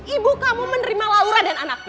ibu kamu menerima laura dan anakku